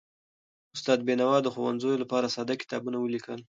استاد بینوا د ښوونځیو لپاره ساده کتابونه ولیکل.